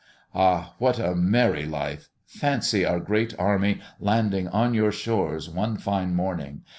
Ha, what a merry life! Fancy our great army landing on your shores one fine morning.